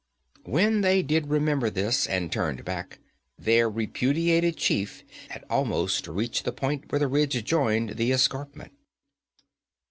When they did remember this, and turned back, their repudiated chief had almost reached the point where the ridge joined the escarpment.